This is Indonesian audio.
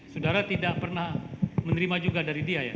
saudara tidak pernah menerima juga dari dia ya